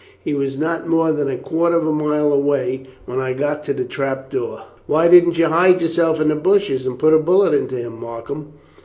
He was not more than a quarter of a mile away when I got to the trap door." "Why didn't you hide yourself in the bushes and put a bullet into him, Markham?"